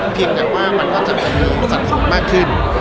เพียงอยากว่ามันก็จะเป็นมือมหาสรรคมมากขึ้น